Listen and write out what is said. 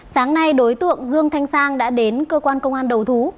sáng nay đối tượng dương thanh sang đã đến cơ quan công an đầu thú